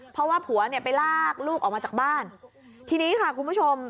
เพราะว่าผัวเนี่ยไปลากลูกออกมาจากบ้านทีนี้ค่ะคุณผู้ชม